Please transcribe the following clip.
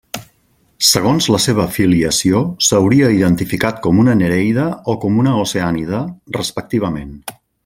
Segons la seva filiació s'hauria identificat com una nereida o com una oceànide, respectivament.